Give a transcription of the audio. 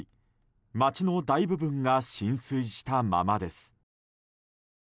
町の大部分が浸水したままです。